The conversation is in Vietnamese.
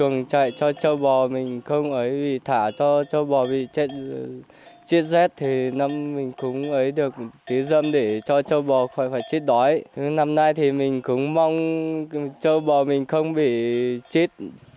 năm nay thì mình cũng mong trâu bò mình không bị chết